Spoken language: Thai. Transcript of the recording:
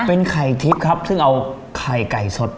เป็นไข่ทิพย์ครับซึ่งเอาไข่ไก่สด